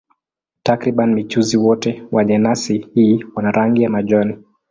Takriban mijusi wote wa jenasi hii wana rangi ya majani.